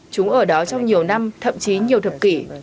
chúng ở đó trong nhiều năm thậm chí nhiều thập kỷ